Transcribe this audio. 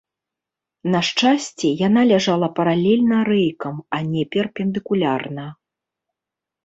На шчасце, яна ляжала паралельна рэйкам, а не перпендыкулярна.